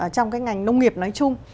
trong cái ngành nông nghiệp nói chung